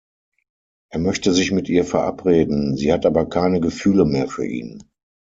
Er möchte sich mit ihr verabreden, sie hat aber keine Gefühle mehr für ihn.